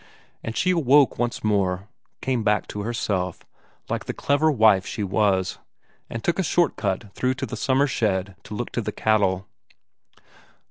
And she awoke once more, came back to herself, like the clever wife she was, and took a short cut through to the summer shed to look to the cattle.